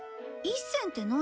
１銭って何？